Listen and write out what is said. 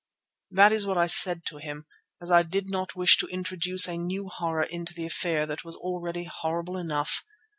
That is what I said to him, as I did not wish to introduce a new horror into an affair that was already horrible enough.